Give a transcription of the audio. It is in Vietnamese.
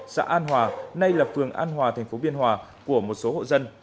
xã an hòa nay là phường an hòa thành phố biên hòa của một số hộ dân